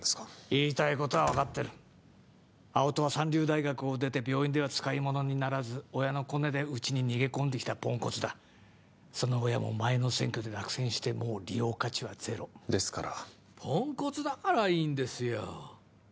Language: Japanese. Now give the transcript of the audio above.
言いたいことは分かってる青戸は三流大学を出て病院では使い物にならず親のコネでうちに逃げ込んできたポンコツだその親も前の選挙で落選してもう利用価値はゼロですからポンコツだからいいんですよ